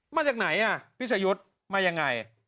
มาจากไหนพี่ชายุทธ์มายังไง